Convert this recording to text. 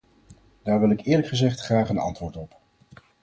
Daar wil ik eerlijk gezegd graag een antwoord op.